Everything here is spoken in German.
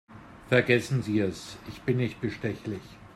Vergessen Sie es, ich bin nicht bestechlich.